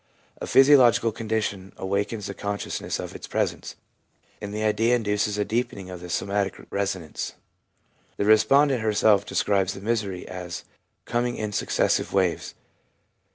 A physiological condition awakens the consciousness of its presence, and the idea induces a deepening of the somatic resonance. The respondent herself describes the misery as ' coming in successive waves.'